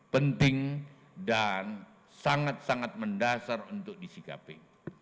penting dan sangat sangat mendasar untuk disikapi